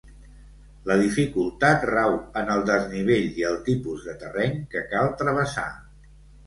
La dificultat rau en el desnivell i el tipus de terreny que cal travessar.